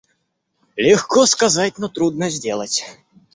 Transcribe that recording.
Легко сказать, но трудно сделать.